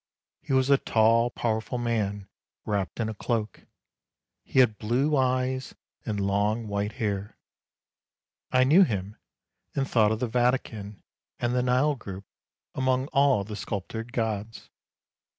He was a tall powerful man wrapped in a cloak; he had blue eyes and long white hair. I knew him, and thought of the Vatican and the Nile group among all the sculptured gods.